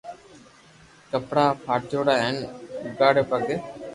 ڪپڙا پھاٽوڙا ھين اوگاڙي پگي